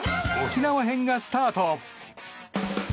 沖縄編がスタート。